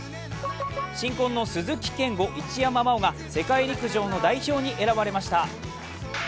新婚の鈴木健吾、一山麻緒が世界陸上の代表に選ばれました。